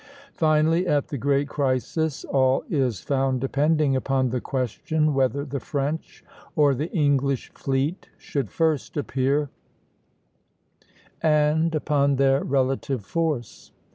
Finally, at the great crisis, all is found depending upon the question whether the French or the English fleet should first appear, and upon their relative force.